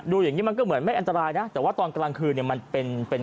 อย่างนี้มันก็เหมือนไม่อันตรายนะแต่ว่าตอนกลางคืนเนี่ยมันเป็นเป็น